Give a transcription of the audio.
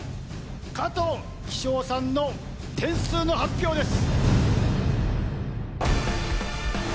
加藤煕章さんの点数の発表です！